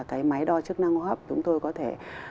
cái máy đo chức năng hô hấp chúng tôi có thể